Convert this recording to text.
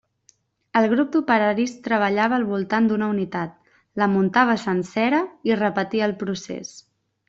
El grup d'operaris treballava al voltant d'una unitat, la muntava sencera, i repetia el procés.